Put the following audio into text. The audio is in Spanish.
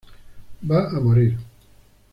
Va a morir.